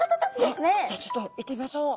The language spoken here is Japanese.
じゃあちょっと行ってみましょう。